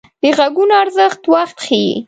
د غږونو ارزښت وخت ښيي